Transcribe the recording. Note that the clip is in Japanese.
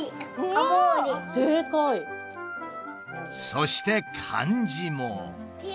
そして漢字も。